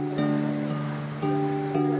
jika jalan ke dunia